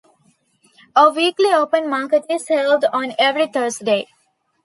A weekly open market is held on every Thursday.